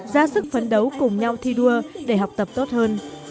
ra sức phấn đấu cùng nhau thi đua để học tập tốt hơn